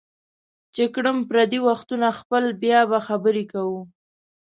چې کړم پردي وختونه خپل بیا به خبرې کوو